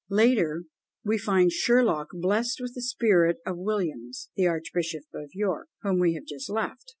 Later, we find Sherlock blest with the spirit of Williams, the Archbishop of York, whom we have just left.